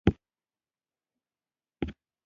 دوی پر پاچاهۍ د نظارت او ډېرو حقوقو غوښتنه کوله.